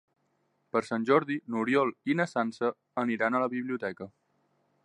Per Sant Jordi n'Oriol i na Sança aniran a la biblioteca.